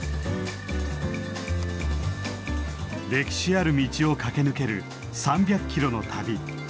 歴史ある道を駆け抜ける３００キロの旅。